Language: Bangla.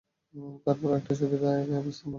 তারপর আরেকটা ছবিতে একই অবস্থা দেখলাম।